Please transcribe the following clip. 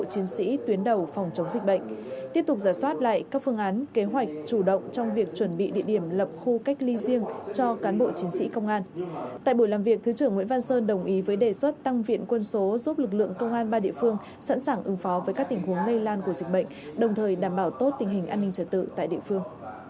hãy đăng ký kênh để ủng hộ kênh của chúng mình nhé